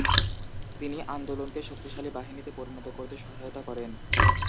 তিনি আন্দোলনকে শক্তিশালী বাহিনীতে পরিণত করতে সহায়তা করেন।